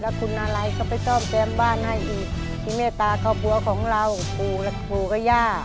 แล้วคุณนาลัยเขาไปซ่อมแซมบ้านให้อีกชิเมตตาครอบครัวของเราปูและปูกระย่า